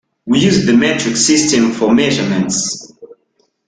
We use the metric system for measurements.